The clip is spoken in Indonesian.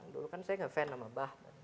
dulu kan saya nge fan sama bach